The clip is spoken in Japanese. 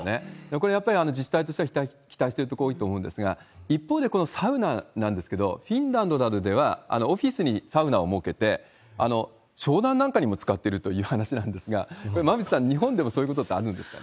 これやっぱり、自治体としては期待しているところ多いと思うんですが、一方でこのサウナなんですけれども、フィンランドなどではオフィスにサウナを設けて、商談なんかにも使ってるという話なんですが、これ、馬渕さん、日本でもそういうことってあるんですか？